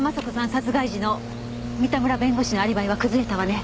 殺害時の三田村弁護士のアリバイは崩れたわね。